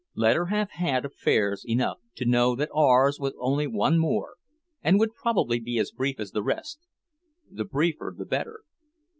Let her have had affairs enough to know that ours was only one more and would probably be as brief as the rest the briefer the better.